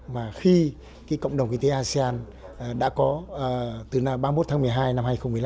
mà khi cộng đồng kinh tế asean đã có từ ba mươi một tháng một mươi hai năm hai nghìn một mươi năm